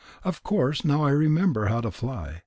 Of course now I remember how to fly.